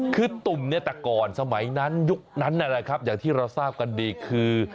คือตุ่มเนี่ยแต่ก่อนสมัยนั้นยุคนั้นนะครับอย่างที่เราทราบกันดีคือ